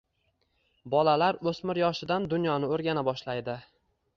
Bolalar o‘smir yoshidan dunyoni o‘rgana boshlaydi.